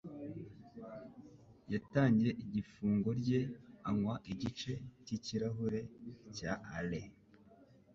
Yatangiye ifunguro rye anywa igice cyikirahure cya ale.